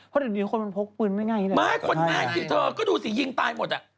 เพราะดังนี้คนมันพกฟื้นไม่ง่ายเลยไม่คนแม่งอยู่เธอก็ดูสิยิงตายหมดอะ